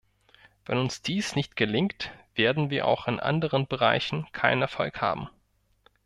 Wenn uns dies nicht gelingt, werden wir auch in anderen Bereichen keinen Erfolg haben.